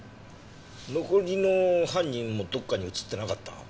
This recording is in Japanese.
残りの犯人もどっかに映ってなかった？